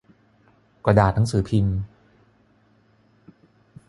กระดาษหนังสือพิมพ์